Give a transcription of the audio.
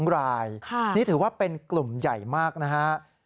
๒รายนี่ถือว่าเป็นกลุ่มใหญ่มากนะครับ